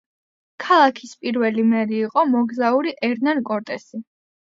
ქალაქის პირველი მერი იყო მოგზაური ერნან კორტესი.